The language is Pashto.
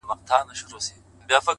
هڅاند روح محدودې پولې نه مني.!